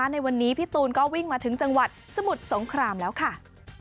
ในวันนี้พี่ตูนก็วิ่งมาถึงจังหวัดสมุทรสงครามแล้วค่ะ